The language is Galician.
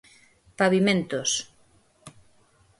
Pavimentos.